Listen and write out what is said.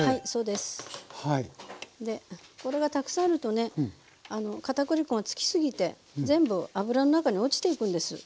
でこれがたくさんあるとね片栗粉がつきすぎて全部油の中に落ちていくんです。